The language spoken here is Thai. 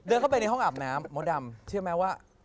เข้าไปในห้องอาบน้ำมดดำเชื่อไหมว่า